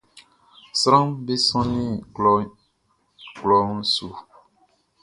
Sranʼm be sɔnnin klɔʼn su.